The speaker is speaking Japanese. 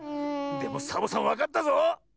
でもサボさんわかったぞ！